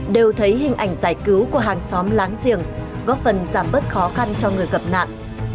đều thấy hình ảnh giải cứu của hàng xóm láng giềng góp phần giảm bớt khó khăn cho người gặp nạn